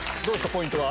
ポイントは。